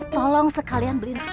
tolong sekalian beli naik bal ya